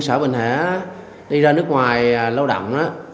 xã bình hải đi ra nước ngoài lao động